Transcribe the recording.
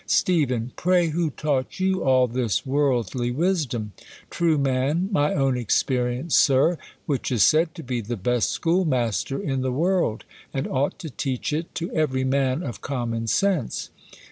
SUph. Pi'ay who taught you all this worldly wisdom ? Tru, My own experience, Sir ; whicii is said to be the beat school master in the world, and ought to teach it to every man of common sense.